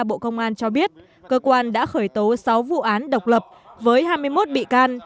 bộ công an cho biết cơ quan đã khởi tố sáu vụ án độc lập với hai mươi một bị can